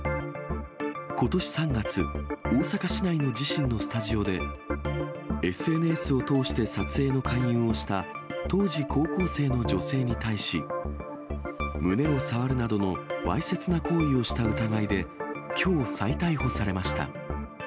ことし３月、大阪市内の自身のスタジオで、ＳＮＳを通して撮影の勧誘をした当時高校生の女性に対し、胸を触るなどのわいせつな行為をした疑いで、きょう再逮捕されました。